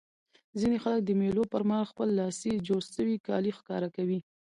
ځيني خلک د مېلو پر مهال خپلي لاسي جوړ سوي کالي ښکاره کوي.